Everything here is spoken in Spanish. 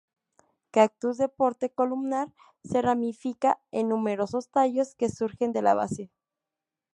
Cactus de porte columnar, se ramifica en numerosos tallos que surgen de la base.